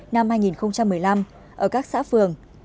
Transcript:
năm hai nghìn một mươi năm ở các xã phường